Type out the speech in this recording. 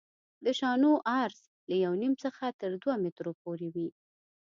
د شانو عرض له یو نیم څخه تر دوه مترو پورې وي